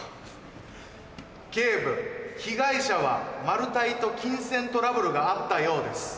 「警部被害者はマルタイと金銭トラブルがあったようです」。